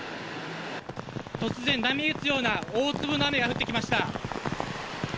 突然、波打つような大粒の雨が降ってきました。